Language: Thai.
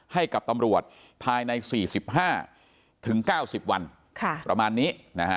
ให้กับตำรวจภายใน๔๕๙๐วันประมาณนี้